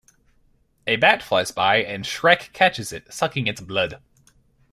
A bat flies by and Schreck catches it, sucking its blood.